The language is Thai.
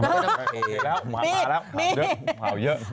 โอเคมาแล้วพาเยอะ